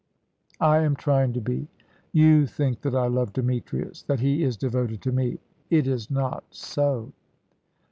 "I am trying to be. You think that I love Demetrius, and that he is devoted to me. It is not so."